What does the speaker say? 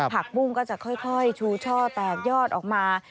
ปุ้งก็จะค่อยชูช่อแตกยอดออกมา